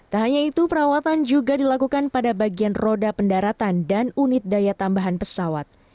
tak hanya itu perawatan juga dilakukan pada bagian roda pendaratan dan unit daya tambahan pesawat